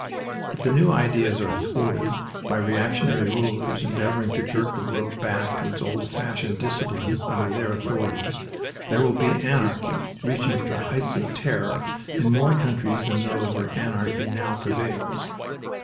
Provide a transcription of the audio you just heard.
If the new ideas are thwarted by reactionary rulers endeavoring to jerk the world back to its old fashioned discipline under their authority, there will be anarchy reaching to the heights of terror in more countries than those where anarchy now prevails.